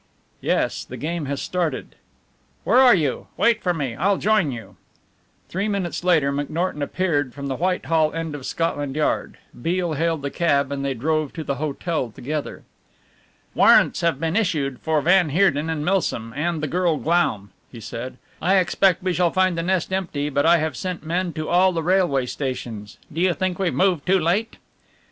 "Yes the game has started." "Where are you wait for me, I'll join you." Three minutes later McNorton appeared from the Whitehall end of Scotland Yard. Beale hailed a cab and they drove to the hotel together. "Warrants have been issued for van Heerden and Milsom and the girl Glaum," he said. "I expect we shall find the nest empty, but I have sent men to all the railway stations do you think we've moved too late?"